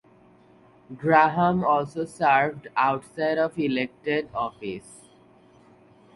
Graham also served outside of elected office.